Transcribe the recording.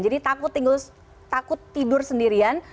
jadi takut tidur sendirian